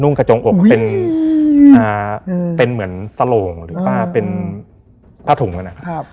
นุ่งกระจงอกเป็นเหมือนสโรงหรือเปล่าเป็นพระถุงแล้วนะครับ